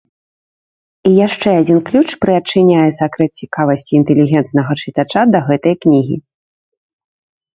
І яшчэ адзін ключ прыадчыняе сакрэт цікавасці інтэлігентнага чытача да гэтай кнігі.